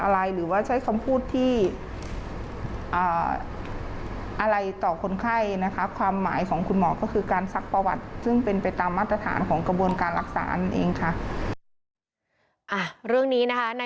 เรื่องนี้นะคะในแพทย์สมศักดิ์